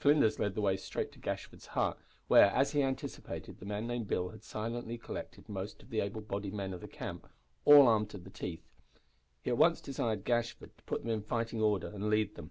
Flinders led the way straight to Gashford's hut where, as he anticipated, the man named Bill had silently collected most of the able bodied men of the camp, all armed to the teeth. He at once desired Gashford to put them in fighting order and lead them.